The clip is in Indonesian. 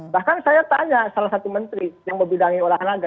bahkan saya tanya salah satu menteri yang membidangi olahraga